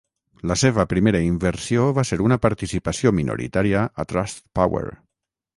La seva primera inversió va ser una participació minoritària a Trustpower.